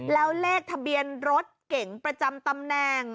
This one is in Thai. แล้วเลขทะเบียนรถเก่งประจำตำแหน่ง